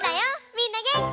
みんなげんき？